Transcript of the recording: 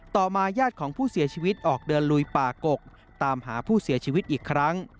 ต่อมาญาติของผู้เสียชีวิตออกเดินลุยป่ากกตามหาผู้เสียชีวิตอีกครั้ง